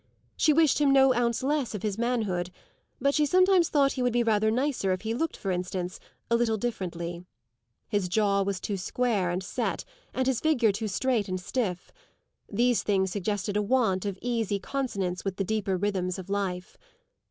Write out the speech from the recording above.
She wished him no ounce less of his manhood, but she sometimes thought he would be rather nicer if he looked, for instance, a little differently. His jaw was too square and set and his figure too straight and stiff: these things suggested a want of easy consonance with the deeper rhythms of life.